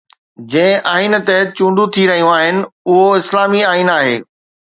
جنهن آئين تحت چونڊون ٿي رهيون آهن اهو اسلامي آئين آهي.